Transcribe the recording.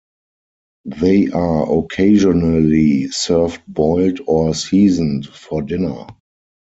They are occasionally served boiled or seasoned for dinner.